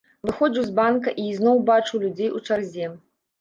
Выходжу з банка і ізноў бачу людзей у чарзе.